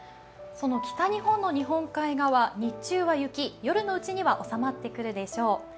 その北日本の日本海側、日中は雪、夜のうちには収まってくるでしょう。